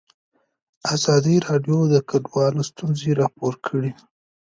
ازادي راډیو د کډوال ستونزې راپور کړي.